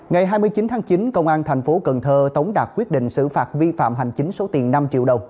ngày hai mươi chín tháng chín công an thành phố cần thơ tống đạt quyết định xử phạt vi phạm hành chính số tiền năm triệu đồng